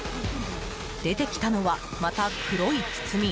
出てきたのはまた黒い包み。